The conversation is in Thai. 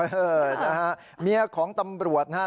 เออนะฮะเมียของตำรวจนะฮะ